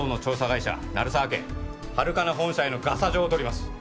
会社鳴沢家ハルカナ本社へのガサ状を取ります